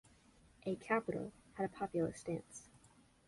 "A Capital" had a populist stance.